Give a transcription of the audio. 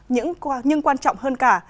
nhưng quan trọng hơn cả